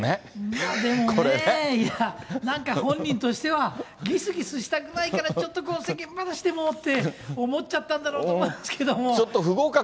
でもね、いや、なんか本人としては、ぎすぎすしたくないから、ちょっとこう、世間話でもって思っちゃったんだろうと思うんですけど。